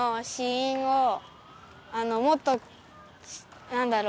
もっとなんだろう